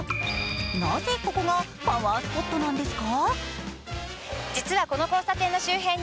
なぜ、ここがパワースポットなんですか？